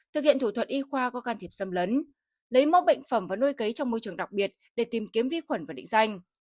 thực hiện thủ thuật y khoa có can thiệp xâm lấn lấy mẫu bệnh phẩm và nuôi cấy trong môi trường đặc biệt để tìm kiếm vi khuẩn và định danh